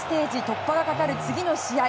突破がかかる次の試合